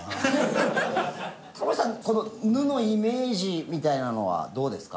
この「ぬ」のイメージみたいなのはどうですか？